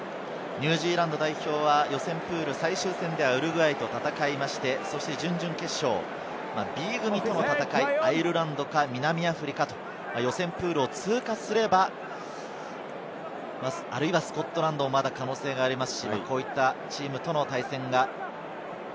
ニュージーランド代表は予選プール最終戦でウルグアイと戦いまして、準々決勝、Ｂ組との戦い、アイルランドか南アフリカ、予選プールを通過すれば、あるいはスコットランドもまだ可能性があります。